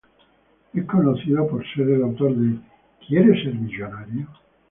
Es conocido por el ser el autor de "¿Quiere ser millonario?